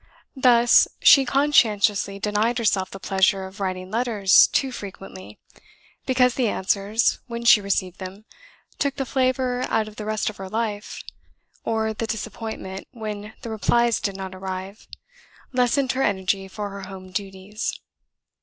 Thus she conscientiously denied herself the pleasure of writing letters too frequently, because the answers (when she received them) took the flavour out of the rest of her life; or the disappointment, when the replies did not arrive, lessened her energy for her home duties.